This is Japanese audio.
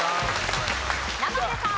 生瀬さん。